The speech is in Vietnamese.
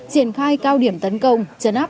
triển khai cao điểm tấn công chấn áp